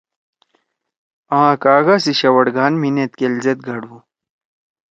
آں کاگا سی شَوڑگھان مھی